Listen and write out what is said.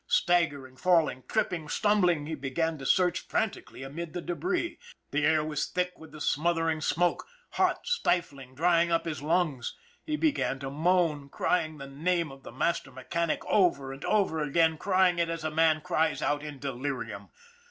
Staggering, falling, tripping, stumbling, he began to search frantically amid the debris. The air was thick with the smothering smoke, hot, stifling, drying up his lungs. He began to moan, crying the name of the master mechanic over and over again, crying it as a man cries out in delirium.